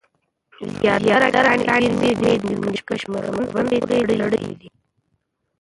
زیاتره کاني زېرمي د هندوکش په کمربند پورې تړلې دی